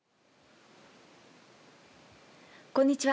こんにちは。